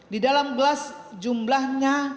di dalam gelas jumlahnya